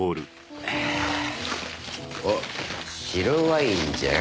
おっ白ワインじゃん。